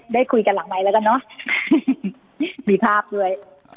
ได้คุยกันหลังไมค์แล้วกันเนอะมีภาพด้วย